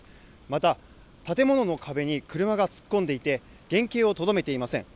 また建物の壁に車が突っ込んでいて、原形をとどめていません。